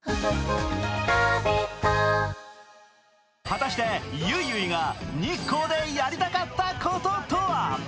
果たしてゆいゆいが日光でやりたかったこととは？